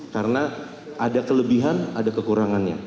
karena ada kelebihan ada kekurangannya